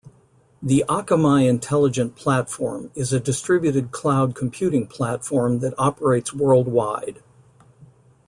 The Akamai Intelligent Platform is a distributed cloud computing platform that operates worldwide.